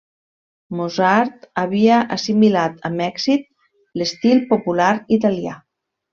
Mozart havia assimilat amb èxit l'estil popular italià.